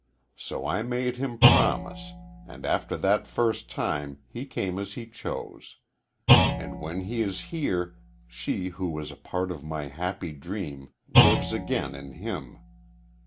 So I made him promise, and after that first time he came as he chose. And when he is here she who was a part of my happy dream lives again in him.